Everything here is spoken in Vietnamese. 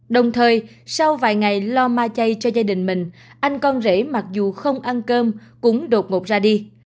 đồng thời sau vài ngày lo mai chay cho gia đình mình anh con rể mặc dù không ăn cơm cũng đột ngột ra đi